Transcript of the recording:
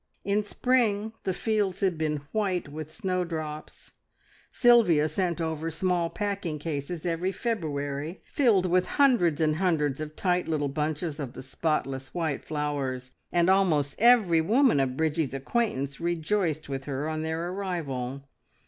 In spring the fields had been white with snowdrops. Sylvia sent over small packing cases every February, filled with hundreds and hundreds of little tight bunches of the spotless white flowers, and almost every woman of Bridgie's acquaintance rejoiced with her on their arrival.